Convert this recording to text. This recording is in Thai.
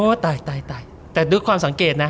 ตายตายแต่ด้วยความสังเกตนะ